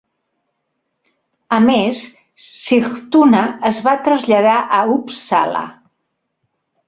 A més, Sigtuna es va traslladar a Uppsala.